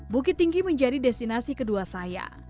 bukit tinggi menjadi destinasi kedua saya